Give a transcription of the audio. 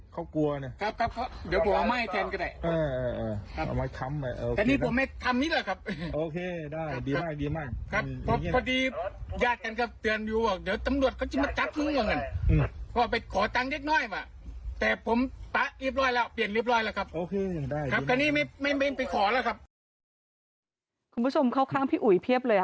คุณผู้ชมเข้าทางพี่อุ๋ยเพี้ยบเลยอะ